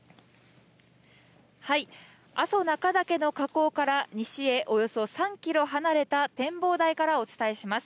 阿蘇中岳の火口から西へおよそ３キロ離れた展望台からお伝えします。